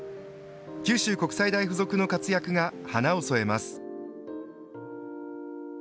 九州国際大付属の活躍が花を添えます。